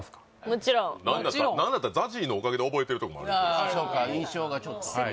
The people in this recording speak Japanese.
もちろん何だったらＺＡＺＹのおかげで覚えてるとこもありますよああ